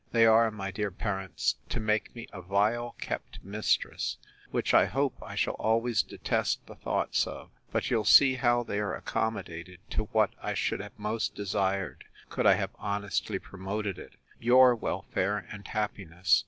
They are, my dear parents, to make me a vile kept mistress: which, I hope, I shall always detest the thoughts of. But you'll see how they are accommodated to what I should have most desired, could I have honestly promoted it, your welfare and happiness.